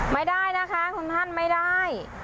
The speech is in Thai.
ไม่ได้นะคะคุณท่านไม่ได้